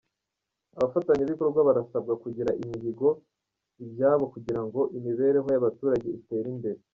Abafatanyabikorwa barasabwa kugira imihigo ibyabo kugira ngo imibereho y’abaturage itere imbere.